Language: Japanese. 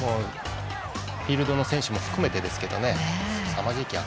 フィールドの選手も含めてですけどね。